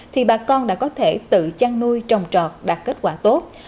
thì bà con đã có thể tự chăn nuôi trồng trọt đạt kết quả tốt